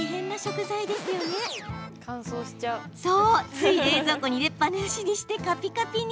つい冷蔵庫に入れっぱなしにしてかぴかぴに。